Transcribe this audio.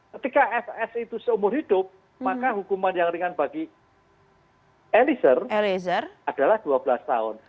ketika fs itu seumur hidup maka hukuman yang ringan bagi eliezer adalah dua belas tahun